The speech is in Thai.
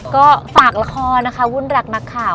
ก็ฝากละครนะคะวุ่นรักนักข่าว